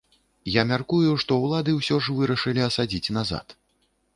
Я мяркую, што ўлады ўсё ж вырашылі асадзіць назад.